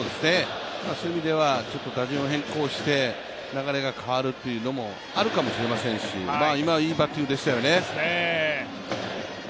そういう意味では、ちょっと打順を変更して流れが変わるというのもあるかもしれませんし、今、いいバッティングでしたよね。